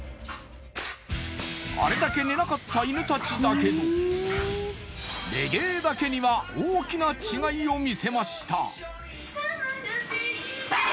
あれだけ寝なかった犬達だけどレゲエだけには大きな違いを見せました